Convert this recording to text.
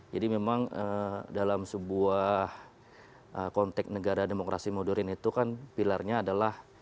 jadi memang dalam sebuah konteks negara demokrasi modulin itu kan pilarnya adalah